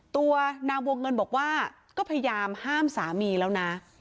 ตัวนางวงเงินบอกว่าก็พยายามห้ามสามีแล้วนะ